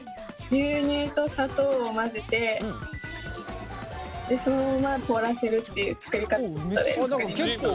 牛乳と砂糖を混ぜてそのまま凍らせるっていう作りかたで作りました。